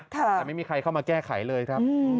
แต่ไม่มีใครเข้ามาแก้ไขเลยครับ